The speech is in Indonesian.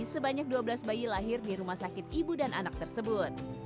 sebanyak dua belas bayi lahir di rumah sakit ibu dan anak tersebut